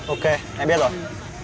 ok em biết rồi